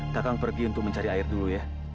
kakak pergi untuk mencari air dulu ya